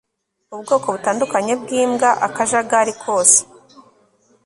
ubwoko butandukanye bw'imbwa; akajagari kose